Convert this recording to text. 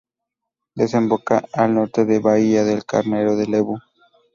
Desemboca en el norte de Bahía del Carnero de Lebu.